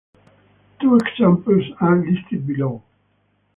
Two examples are listed below.